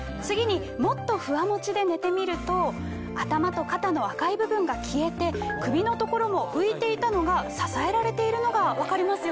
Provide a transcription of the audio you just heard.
次にＭｏｔｔｏＦｕｗａＭｏｃｈｉで寝てみると頭と肩の赤い部分が消えて首の所も浮いていたのが支えられているのが分かりますよね。